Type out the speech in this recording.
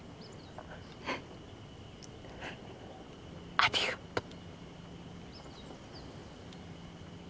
ありがとう。